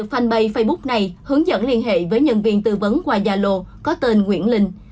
hành bày facebook này hướng dẫn liên hệ với nhân viên tư vấn qua gia lô có tên nguyễn linh